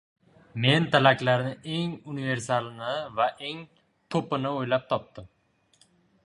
Men tilaklarni eng universalini va eng topini oʻylab topdim.